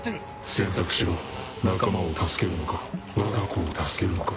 選択しろ仲間を助けるのかわが子を助けるのか。